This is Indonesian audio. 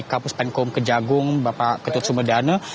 kapus penkom kejagung bapak ketut sumedane